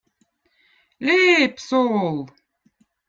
Leib- sool!